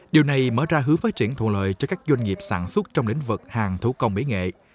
điều này mở ra hướng phát triển thuận lợi cho các doanh nghiệp sản xuất trong lĩnh vực hàng thủ công mỹ nghệ